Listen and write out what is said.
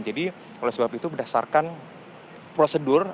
jadi oleh sebab itu berdasarkan prosedur